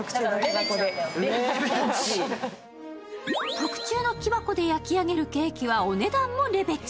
特注の木箱で焼き上げるケーキはお値段もレベチ。